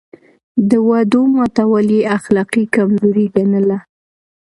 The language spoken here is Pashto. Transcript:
د وعدو ماتول يې اخلاقي کمزوري ګڼله.